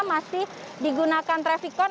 masih digunakan trafikon